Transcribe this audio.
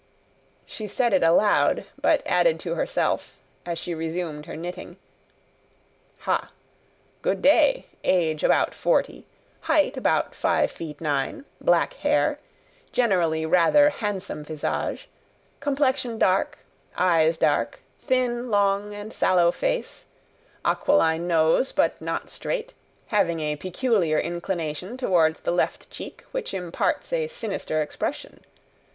She said it aloud, but added to herself, as she resumed her knitting: "Hah! Good day, age about forty, height about five feet nine, black hair, generally rather handsome visage, complexion dark, eyes dark, thin, long and sallow face, aquiline nose but not straight, having a peculiar inclination towards the left cheek which imparts a sinister expression!